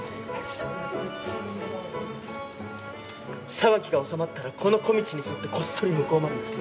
騒ぎが収まったらこの小道に沿ってこっそり向こうまで行って。